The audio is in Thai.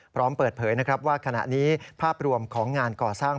พร้อมเปิดเผยนะครับว่าขณะนี้ภาพรวมของงานก่อสร้าง